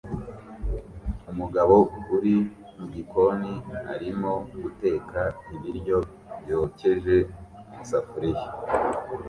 Umugabo uri mu gikoni arimo guteka ibiryo byokeje mu isafuriya